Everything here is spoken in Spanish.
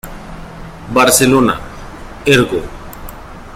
Barcelona: Ergo.